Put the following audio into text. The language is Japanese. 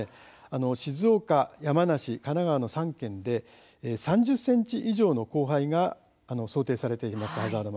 静岡、山梨、神奈川の３県で３０ｃｍ以上の降灰が想定されています。